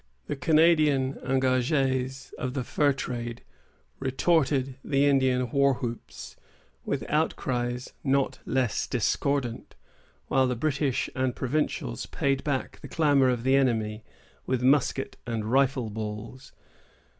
The Canadian engagés of the fur traders retorted the Indian war whoops with outcries not less discordant, while the British and provincials paid back the clamor of the enemy with musket and rifle balls.